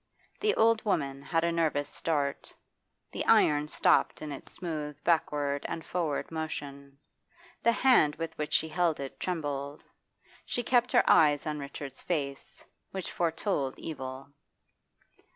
The old woman had a nervous start; the iron stopped in its smooth backward and forward motion; the hand with which she held it trembled. She kept her eyes on Richard's face, which foretold evil.